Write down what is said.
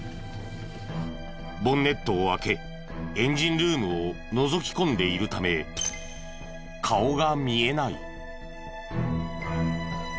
ボンネットを開けエンジンルームをのぞき込んでいるため顔が見えない。